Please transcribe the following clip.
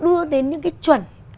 đưa đến những cái chuẩn